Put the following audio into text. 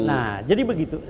nah jadi begitu